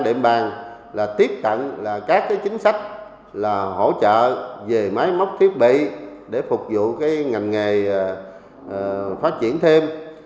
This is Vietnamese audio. điện bàn tiếp cận các chính sách hỗ trợ về máy móc thiết bị để phục vụ ngành nghề phát triển thêm